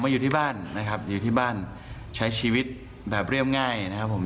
อยู่ที่บ้านใช้ชีวิตแบบเรี่ยมง่ายนะครับผม